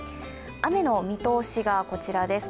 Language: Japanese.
雨の見通しがこちらです。